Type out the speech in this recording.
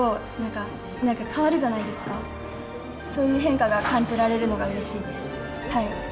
そういう変化が感じられるのがうれしいです。